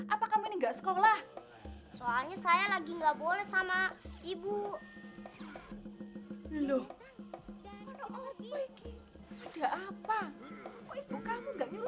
apa kamu ini enggak sekolah soalnya saya lagi nggak boleh sama ibu loh ada apa ibu kamu enggak nyuruh